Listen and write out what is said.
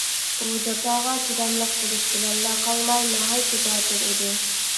ئۇ جاپاغا چىداملىق بولۇش بىلەنلا قالماي، ناھايىتى باتۇر ئىدى.